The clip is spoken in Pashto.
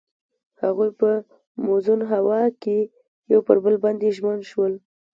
هغوی په موزون هوا کې پر بل باندې ژمن شول.